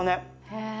へえ。